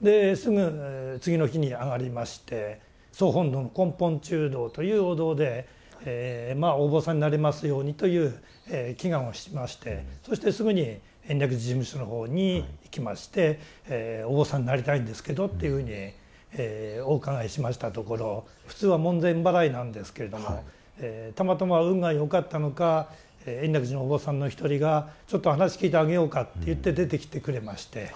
ですぐ次の日に上がりまして総本堂の根本中堂というお堂でまあお坊さんになれますようにという祈願をしましてそしてすぐに延暦寺事務所のほうに行きましてお坊さんになりたいんですけどというふうにお伺いしましたところ普通は門前払いなんですけれどもたまたま運が良かったのか延暦寺のお坊さんの一人がちょっと話聞いてあげようかって言って出てきてくれまして。